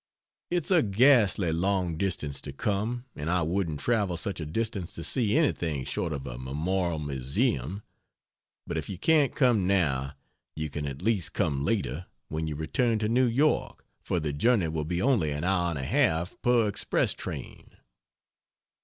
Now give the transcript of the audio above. It's a ghastly long distance to come, and I wouldn't travel such a distance to see anything short of a memorial museum, but if you can't come now you can at least come later when you return to New York, for the journey will be only an hour and a half per express train.